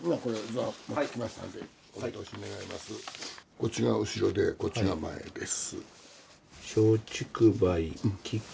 こっちが後ろでこっちが前です。